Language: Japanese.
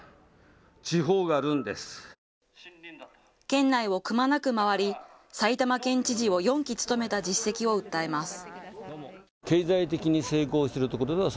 県内をくまなく回り、埼玉県知事を４期務めた実績を訴えます。